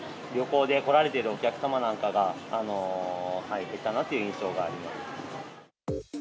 旅行で来られているお客様なんかが減ったなという印象があります。